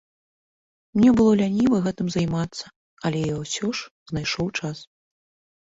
Мне было ляніва гэтым займацца, але я ўсё ж знайшоў час.